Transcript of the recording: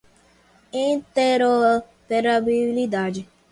interoperabilidade